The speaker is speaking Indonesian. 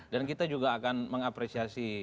dan kita juga akan mengapresiasi